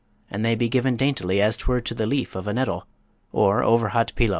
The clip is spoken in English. and they be given daintily as 'twere to the leaf of a nettle, or over hot pilau.